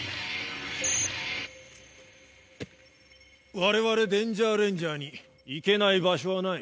我々デンジャーレンジャーに行けない場所はない。